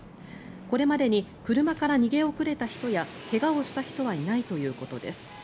これまでに車から逃げ遅れた人や怪我をした人はいないということです。